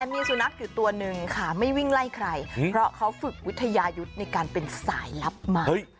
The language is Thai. มีสุนัขอยู่ตัวหนึ่งค่ะไม่วิ่งไล่ใครเพราะเขาฝึกวิทยายุทธ์ในการเป็นสายลับมา